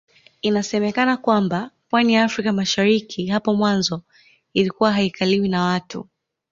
Inasemekana kwamba pwani ya Afrika ya Mashariki hapo mwanzo ilikuwa haikaliwi na watu